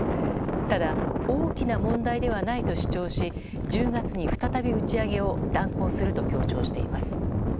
ただ大きな問題ではないと主張し１０月に再び打ち上げを断行すると強調しています。